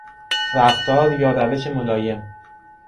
رفتار یا روش ملایم